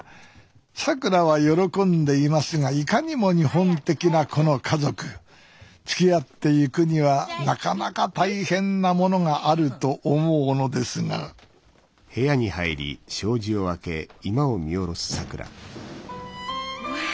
さくらは喜んでいますがいかにも日本的なこの家族つきあっていくにはなかなか大変なものがあると思うのですがワオ！